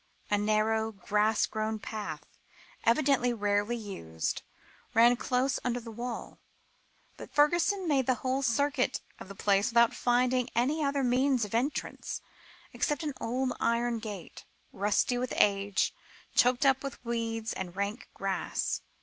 A narrow, grass grown path, evidently rarely used, ran close under the wall, but Fergusson made the whole circuit of the place without finding any other means of entrance, excepting an old iron gate, rusty with age, choked up with weeds and rank grass.